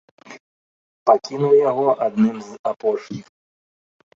Пакінуў яго адным з апошніх.